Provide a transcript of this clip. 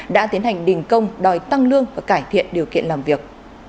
đã tiến hành đình công đòi tăng lương và cải thiện điều kiện làm việc